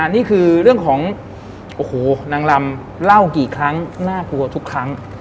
นี่คือเรื่องของโอ้โหนางลำเล่ากี่ครั้งน่ากลัวทุกครั้ง